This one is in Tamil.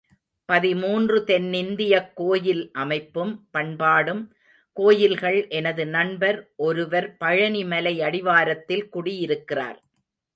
பதிமூன்று தென்னிந்தியக் கோயில் அமைப்பும் பண்பாடும் கோயில்கள் எனது நண்பர் ஒருவர் பழநிமலை அடிவாரத்தில் குடி இருக்கிறார்.